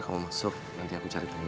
kamu masuk nanti aku cari teman dia